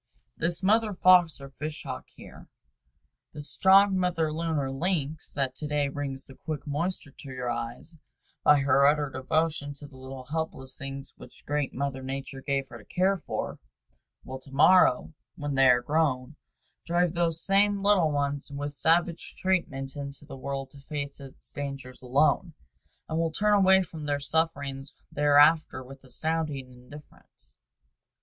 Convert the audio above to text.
This mother fox or fish hawk here, this strong mother loon or lynx that to day brings the quick moisture to your eyes by her utter devotion to the little helpless things which great Mother Nature gave her to care for, will to morrow, when they are grown, drive those same little ones with savage treatment into the world to face its dangers alone, and will turn away from their sufferings thereafter with astounding indifference.